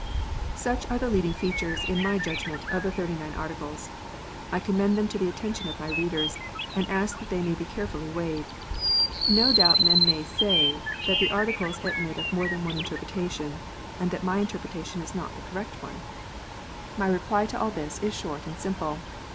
Such are the leading features, in my judgment, of the Thirty nine Articles. I commend them to the attention of my readers, and ask that they may be carefully weighed. No doubt men may say that the Articles admit of more than one interpretation, and that my interpretation is not the correct one. My reply to 84 KNOTS UNTIED. all tliis is short and simple.